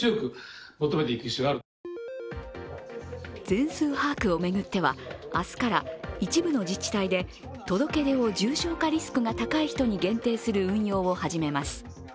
全数把握を巡っては明日から一部の自治体で届け出を重症化リスクの高い人に限定する運用を始めます。